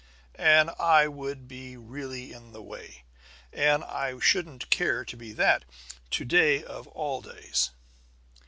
"I would really be in the way; and I shouldn't care to be that, to day of all days."